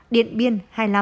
điện biên hai mươi năm